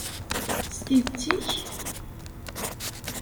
S tidett-ik?